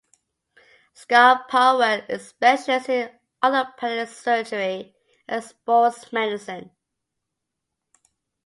Scott Powell is a specialist in orthopedic surgery and sports medicine.